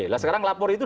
nah sekarang lapor itu